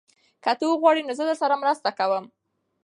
که ته وغواړې نو زه درسره مرسته کوم.